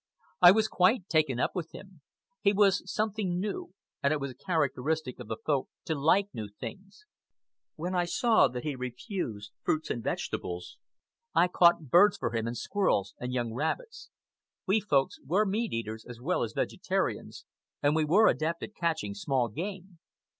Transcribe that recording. I was quite taken up with him. He was something new, and it was a characteristic of the Folk to like new things. When I saw that he refused fruits and vegetables, I caught birds for him and squirrels and young rabbits. (We Folk were meat eaters, as well as vegetarians, and we were adept at catching small game.)